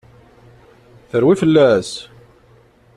Terwi fell-as!